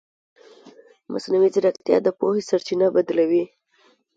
مصنوعي ځیرکتیا د پوهې سرچینه بدله کوي.